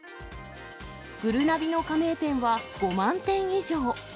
ぐるなびの加盟店は、５万店以上。